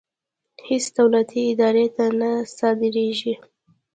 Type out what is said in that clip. هېڅ دولتي ادارې ته نه صادرېږي.